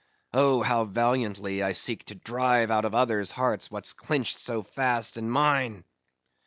Oh! how valiantly I seek to drive out of others' hearts what's clinched so fast in mine!